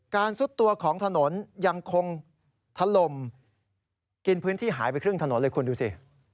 ซุดตัวของถนนยังคงถล่มกินพื้นที่หายไปครึ่งถนนเลยคุณดูสิ